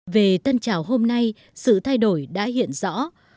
về tân trào hôm nay sự thay đổi đã hiện rõ